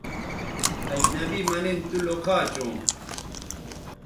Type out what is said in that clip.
اجنبی مہ نِن تو لوکھا چوں